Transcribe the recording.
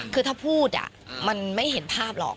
คือถ้าพูดมันไม่เห็นภาพหรอก